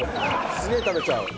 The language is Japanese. すげえ食べちゃう。